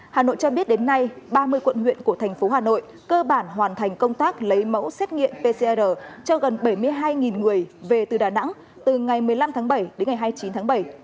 hà nội cho biết đến nay ba mươi quận huyện của thành phố hà nội cơ bản hoàn thành công tác lấy mẫu xét nghiệm pcr cho gần bảy mươi hai người về từ đà nẵng từ ngày một mươi năm tháng bảy đến ngày hai mươi chín tháng bảy